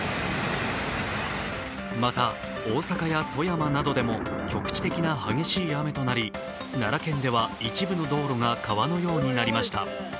また大阪や富山などでも局地的な激しい雨となり奈良県では一部の道路が川のようになりました